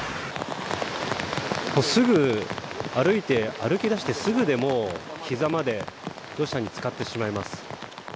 歩き出してすぐでも膝まで土砂に漬かってしまいます。